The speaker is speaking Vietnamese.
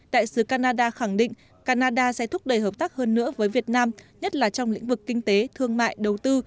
đại sứ canada khẳng định canada sẽ thúc đẩy hợp tác hơn nữa với việt nam nhất là trong lĩnh vực kinh tế thương mại đầu tư